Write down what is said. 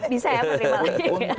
bisa ya menerima lagi